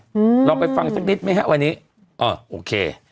อืมลองไปฟังสักนิดไหมฮะวันนี้อ่าโอเค